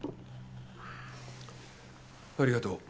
ありがとう。